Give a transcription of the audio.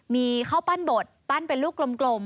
มีข้าวปั้นบดปั้นเป็นลูกกลม